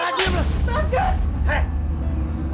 hei mau juga